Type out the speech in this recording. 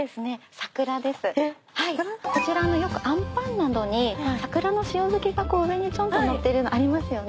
こちらよくあんパンなどに桜の塩漬けが上にちょんと載ってるのありますよね。